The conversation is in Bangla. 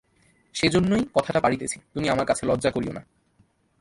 সেইজন্যই কথাটা পাড়িতেছি, তুমি আমার কাছে লজ্জা করিয়ো না।